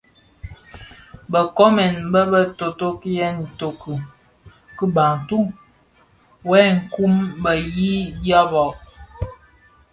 Bë nkoomèn bë tōtōghèn itoki ki bantu yè nkun, bë yii dyaba,